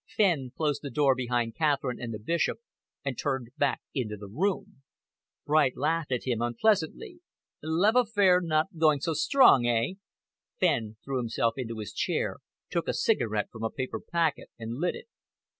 Fenn closed the door behind Catherine and the Bishop and turned back into the room. Bright laughed at him unpleasantly. "Love affair not going so strong, eh?" Fenn threw himself into his chair, took a cigarette from a paper packet, and lit it.